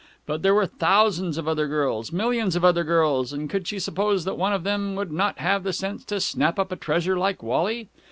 But there were thousands of other girls, millions of other girls, and could she suppose that one of them would not have the sense to snap up a treasure like Wally?